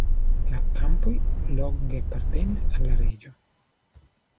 La kampoj longe apartenis al la reĝo.